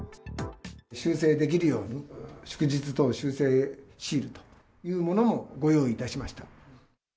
修正できるように、祝日等修正シールというものもご用意いたしました。